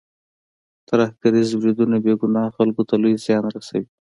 ترهګریز بریدونه بې ګناه خلکو ته لوی زیان رسوي.